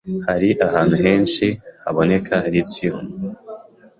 hari ahantu henshi haboneka Lithium